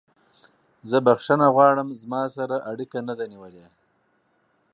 زه بخښنه غواړم ما سره اړیکه نه ده نیولې.